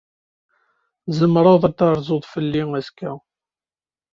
Tzemreḍ ad d-terzuḍ fell-i azekka.